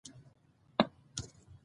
عزت په بې غیرتۍ کې نه ترلاسه کېږي.